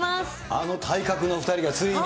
あの体格の２人がついに。